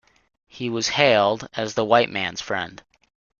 He was hailed as the "Whiteman's Friend".